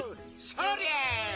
そりゃ！